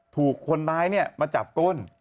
ถูกคนร้ายมาจับก้น